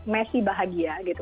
messi bahagia gitu